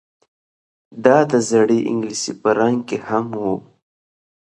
دا د زړې انګلیسي په رنګ کې هم وه